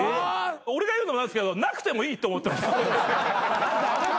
俺が言うのも何ですけどなくてもいいと思ってます。